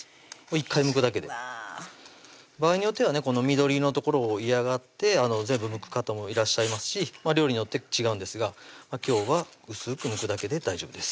１回むくだけで場合によってはねこの緑の所を嫌がって全部むく方もいらっしゃいますし料理によって違うんですが今日は薄くむくだけで大丈夫です